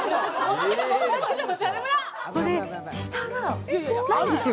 これ、下がないんですよ。